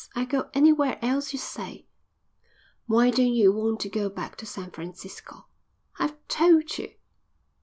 I'll go anywhere else you say." "Why don't you want to go back to San Francisco?" "I've told you."